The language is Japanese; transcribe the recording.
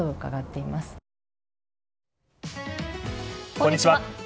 こんにちは。